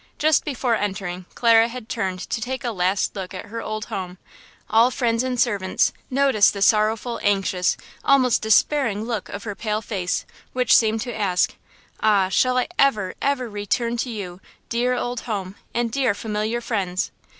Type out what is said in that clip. Just before entering Clara had turned to take a last look at her old home–all, friends and servants, noticed the sorrowful, anxious, almost despairing look of her pale face, which seemed to ask: "Ah, shall I ever, ever return to you, dear old home, and dear, familiar friends?"